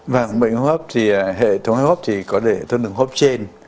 vâng bệnh hốp thì hệ thống hốp thì có thể thân đường hốp trên